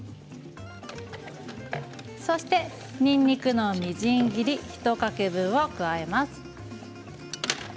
そして、にんにくのみじん切り１かけ分を加えます。